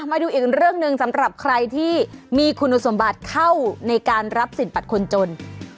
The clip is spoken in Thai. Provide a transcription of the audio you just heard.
มาดูอีกเรื่องหนึ่งสำหรับใครที่มีคุณสมบัติเข้าในการรับสินบัตรคนจน